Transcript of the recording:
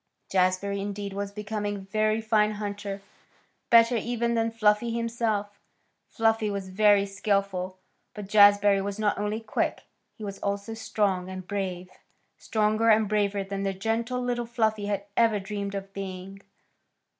Jazbury, indeed, was becoming a very fine hunter, better, even, than Fluffy himself. Fluffy was very skilful, but Jazbury was not only quick, he was also strong and brave; stronger and braver than the gentle little Fluffy had ever dreamed of being.